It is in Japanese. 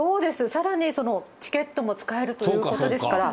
さらにチケットも使えるということですから。